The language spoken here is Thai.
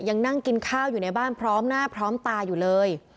ยังนั่งกินข้าวอยู่ในบ้านพร้อมหน้าพร้อมตาอยู่เลย